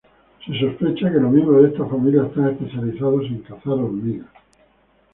Se sospecha que los miembros de esta familia están especializados en cazar hormigas.